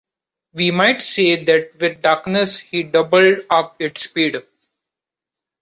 We might say that with darkness, he doubled up its speed.